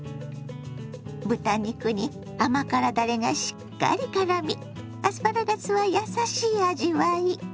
豚肉に甘辛だれがしっかりからみアスパラガスはやさしい味わい。